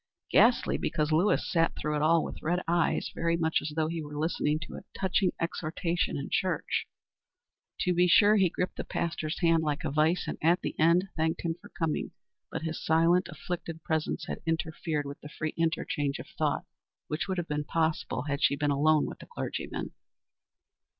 Ghastly, because Lewis sat through it all with red eyes, very much as though he were listening to a touching exhortation in church. To be sure, he gripped the pastor's hand like a vice, at the end, and thanked him for coming, but his silent, afflicted presence had interfered with the free interchange of thought which would have been possible had she been alone with the clergyman.